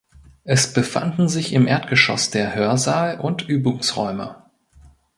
Es befanden sich im Erdgeschoss der Hörsaal und Übungsräume.